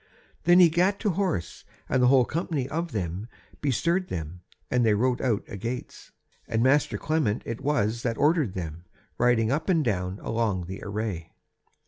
Then he gat to horse, and the whole company of them bestirred them, and they rode out a gates. And master Clement it was that ordered them, riding up and down along the array.